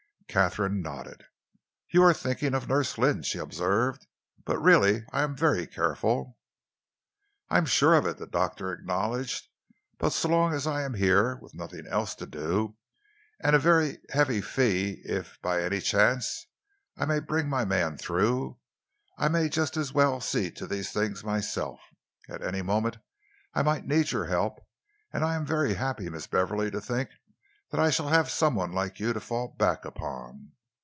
Katharine nodded. "You are thinking of Nurse Lynn," she observed. "But really I am very careful." "I am sure of it," the doctor acknowledged, "but so long as I am here, with nothing else to do and a very heavy fee if by any chance I bring my man through, I may just as well see to these things myself. At any moment I might need your help, and I am very happy, Miss Beverley, to think that I shall have some one like you to fall back upon.